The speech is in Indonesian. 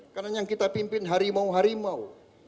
karena yang kita pimpin harimau harimau